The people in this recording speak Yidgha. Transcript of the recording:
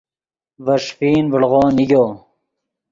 ڤے ݰیفین ڤڑو نیگو